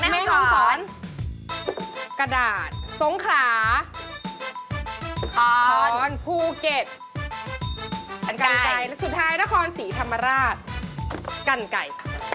และสุดท้ายนครสีธรรมราชกันไก่